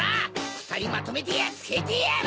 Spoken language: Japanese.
ふたりまとめてやっつけてやる！